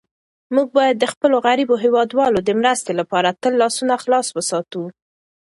موږ باید د خپلو غریبو هېوادوالو د مرستې لپاره تل لاسونه خلاص وساتو.